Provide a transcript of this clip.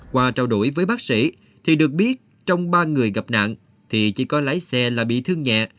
qua trao đổi với bác sĩ thì được biết trong ba người gặp nạn thì chỉ có lái xe là bị thương nhẹ